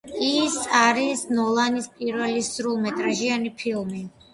ის არის ნოლანის პირველი სრულმეტრაჟიანი ფილმი.